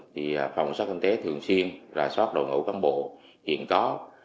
thì phòng xác kinh tế thường xuyên rà soát đồng hữu cán bộ hiện có